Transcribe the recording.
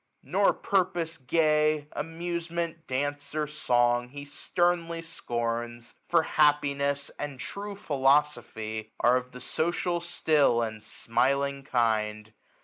Nor purpose gay, Amtisement, danc e, or song, he sternly scorns j For happiness and true philosophy Are of the social still, and smiling kind.